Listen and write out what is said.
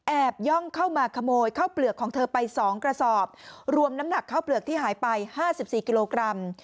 ย่องเข้ามาขโมยข้าวเปลือกของเธอไป๒กระสอบรวมน้ำหนักข้าวเปลือกที่หายไป๕๔กิโลกรัม